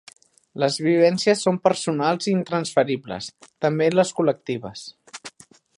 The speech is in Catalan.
Les vivències són personals i intransferibles, també les col·lectives.